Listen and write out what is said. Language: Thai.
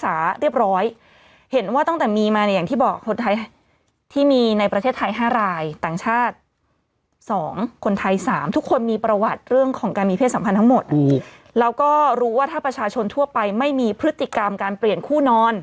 แล้วก็๓ทุกคนมีประวัติเรื่องของการมีเพศสัมพันธ์ทั้งหมดแล้วก็รู้ว่าถ้าประชาชนทั่วไปไม่มีพฤติกรรมการเปลี่ยนคู่นอน